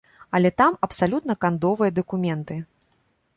Але там абсалютна кандовыя дакументы.